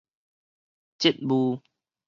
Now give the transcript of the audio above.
職務